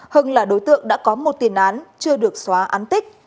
hưng là đối tượng đã có một tiền án chưa được xóa án tích